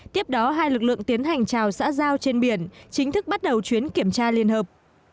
tiếp đó hai lực lượng tiến hành trào xã giao trên biển chính thức bắt đầu chuyến kiểm tra liên hợp